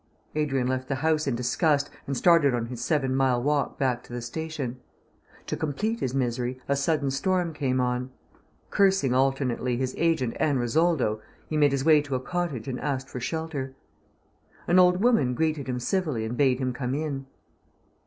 Adrian left the house in disgust and started on his seven mile walk back to the station. To complete his misery a sudden storm came on. Cursing alternately his agent and Risoldo, he made his way to a cottage and asked for shelter. An old woman greeted him civilly and bade him come in.